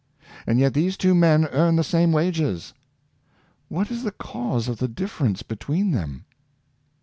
And yet these two men earn the same wages. What is the cause of the difference between them?